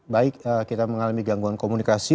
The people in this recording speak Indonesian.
baik kita mengalami gangguan komunikasi